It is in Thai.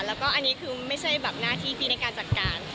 แล้วก็อันนี้คือไม่ใช่แบบหน้าที่ที่ในการจัดการ